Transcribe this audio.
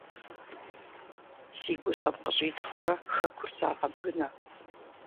Си гущӏэм къыщӏитхъыурэ хэкур сагъэбгынэ.